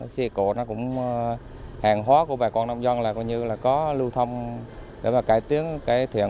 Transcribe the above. si cổ nó cũng hàng hóa của bà con nông dân là coi như là có lưu thông để mà cải tiến cái thiện